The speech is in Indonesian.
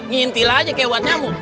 ngintil aja kayak buat nyamuk